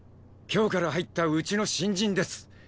今日から入ったうちの新人です。